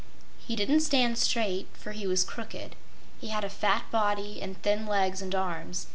He didn't stand straight, for he was crooked. He had a fat body and thin legs and arms.